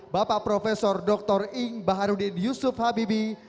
bapak prof dr ing baharudin yusuf habibi